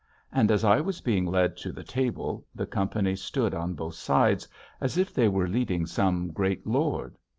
And as I was being led to the table the company stood on both sides as if they were leading some great lord.